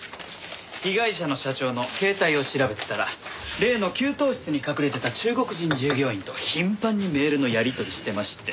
被害者の社長の携帯を調べてたら例の給湯室に隠れてた中国人従業員と頻繁にメールのやり取りしてまして。